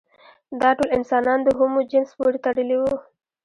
دا ټول انسانان د هومو جنس پورې تړلي وو.